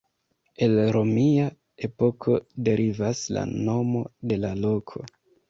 El romia epoko derivas la nomo de la loko.